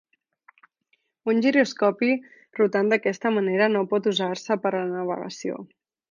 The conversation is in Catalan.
Un giroscopi rotant d'aquesta manera no pot usar-se per a la navegació.